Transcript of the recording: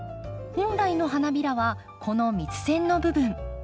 本来の花びらはこの蜜腺の部分。